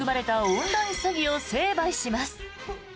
オンライン詐欺を成敗します。